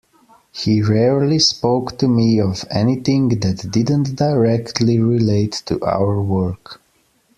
He rarely spoke to me of anything that didn't directly relate to our work.